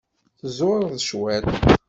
Tzureḍ cwiṭ.